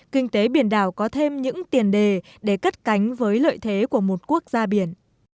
kinh tế biển đảo có thêm những tiền đề để cất cánh với lợi thế của một quốc gia biển